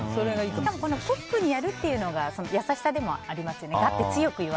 ラップでやるっていうのが優しさでもありますよね。